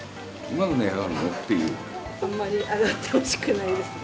って、あんまり上がってほしくないですね。